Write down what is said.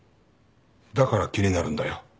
だから気になるんだよ